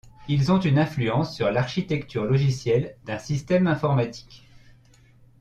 Ils ont une influence sur l'architecture logicielle d'un système informatique.